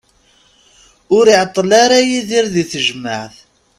Ur iɛeṭṭel ara Yidir di tejmaɛt.